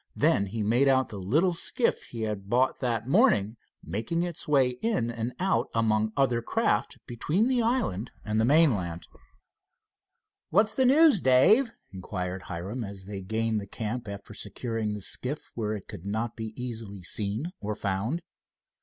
Then he made out the little skiff he had bought that morning making its way in and out among other craft between the island, and the mainland. "What's the news, Dave?" inquired Hiram, as they gained the camp after securing the skiff where it could not be easily seen or found.